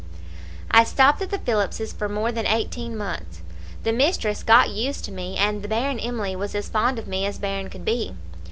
"I stopped at the Phillips's for more than eighteen months. The mistress got used to me, and the bairn Emily was as fond of me as bairn could be.